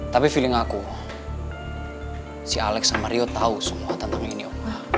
tapi feeling aku si alex sama rio tahu semua tentang ini